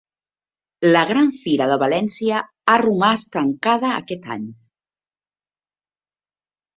La Gran Fira de València ha romàs tancada aquest any